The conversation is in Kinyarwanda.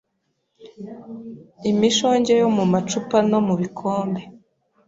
imishonge yo mu macupa no mu bikombe,